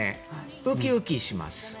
ウキウキします。